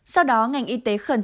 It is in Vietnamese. sau đó ngành y tế khẩn trương